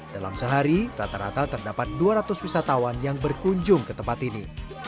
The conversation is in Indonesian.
dalam sehari rata rata terdapat dua ratus wisatawan yang berkunjung ke tempat ini